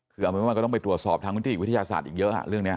หรืออันนี้มาก็ต้องตรวจสอบทางวิทยาศาสตร์อีกเยอะอะเรื่องนี้